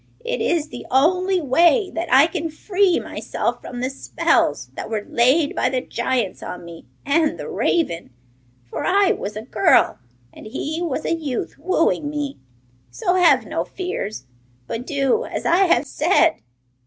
'It is the only way that I can free myself from the spells that were laid by the giants on me and the raven; for I was a girl and he was a youth wooing me! So have no fears, but do as I have said.